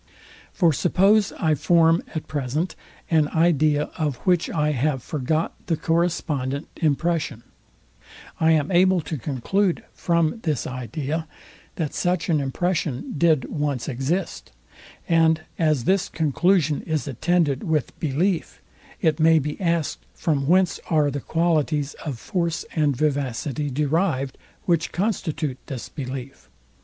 For suppose I form at present an idea, of which I have forgot the correspondent impression, I am able to conclude from this idea, that such an impression did once exist; and as this conclusion is attended with belief, it may be asked, from whence are the qualities of force and vivacity derived, which constitute this belief?